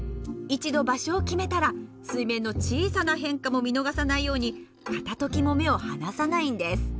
一度場所を決めたら水面の小さな変化も見逃さないように片ときも目を離さないんです。